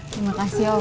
terima kasih ya oma